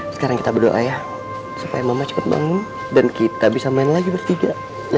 sekarang kita berdoa ya supaya mama cepat bangun dan kita bisa main lagi bertiga